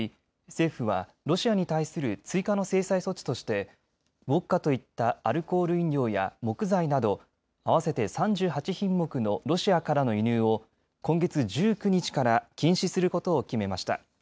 政府はロシアに対する追加の制裁措置としてウォッカといったアルコール飲料や木材など合わせて３８品目のロシアからの輸入を今月１９日から禁止することを決めました。